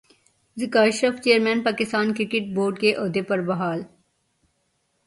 Zaka Ashraf chairman Pakistan cricket board کے عہدے پر بحال